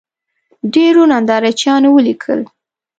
ډېرو نندارچیانو ولیکل